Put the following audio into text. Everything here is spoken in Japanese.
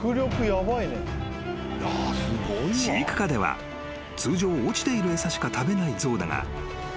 ［飼育下では通常落ちている餌しか食べない象だが］